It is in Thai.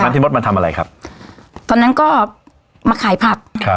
พี่มดมาทำอะไรครับตอนนั้นก็มาขายผักครับ